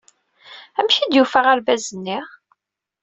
Amek ay d-yufa aɣerbaz-nni?